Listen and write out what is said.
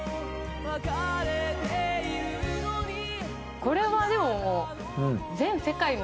これはでももう。